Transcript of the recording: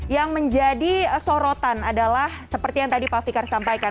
yang menjadi sorotan adalah seperti yang tadi pak fikar sampaikan